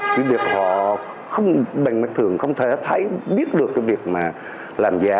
cái việc họ bằng mặt thường không thể thấy biết được cái việc mà làm giả